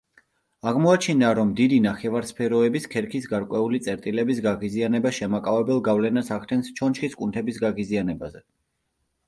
აღმოაჩინა, რომ დიდი ნახევარსფეროების ქერქის გარკვეული წერტილების გაღიზიანება შემაკავებელ გავლენას ახდენს ჩონჩხის კუნთების გაღიზიანებაზე.